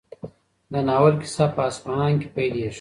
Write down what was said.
د ناول کیسه په اصفهان کې پیلېږي.